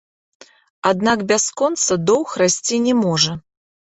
Аднак бясконца доўг расці не можа.